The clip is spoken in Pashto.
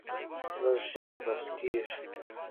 لږ یې بس کیږي.